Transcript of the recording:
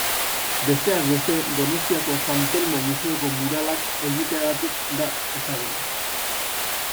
Besteak beste, Donostiako San Telmo museoko muralak egiteagatik da ezaguna.